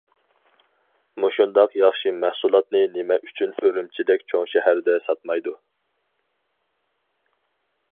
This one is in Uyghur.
مۇشۇنداق ياخشى مەھسۇلاتنى نېمە ئۈچۈن ئۈرۈمچىدەك چوڭ شەھەردە ساتمايدۇ.